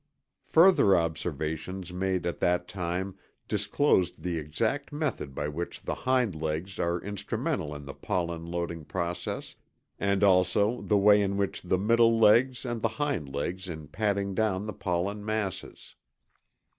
Further observations made at that time disclosed the exact method by which the hind legs are instrumental in the pollen loading process and also the way in which the middle legs aid the hind legs in patting down the pollen masses.